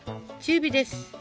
中火です。